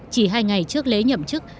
chỉ hai ngày trước lễ nhậm chức